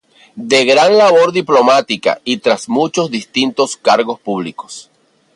De gran labor diplomática y tras muchos distintos cargos públicos.